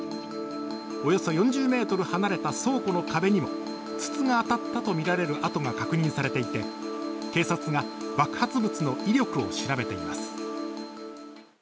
およそ４０ｍ離れた倉庫の壁にも筒が当たったとみられる跡が確認されていて警察が爆発物の威力を調べています。